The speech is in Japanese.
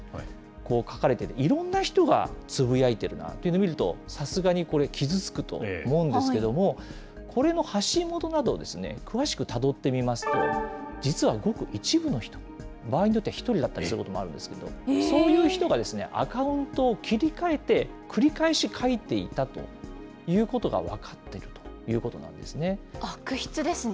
こう書かれている、いろんな人がつぶやいているなというのを見ると、さすがにこれ、傷つくと思うんですけども、これも発信元などを詳しくたどってみますと、実はごく一部の人、場合によっては１人だったりすることもあるんですけれども、そういう人がアカウントを切り替えて繰り返し書いていたということが分かっているとい悪質ですね。